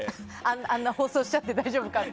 あんな放送しちゃって大丈夫かって。